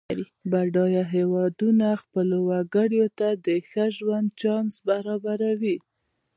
بډایه هېوادونه خپلو وګړو ته د ښه ژوند چانس برابروي.